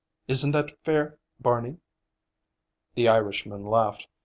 Isn't that fair, Barney?" The Irishman laughed.